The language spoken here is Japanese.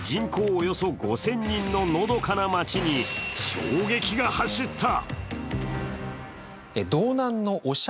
およそ５０００人ののどかな町に、衝撃が走った。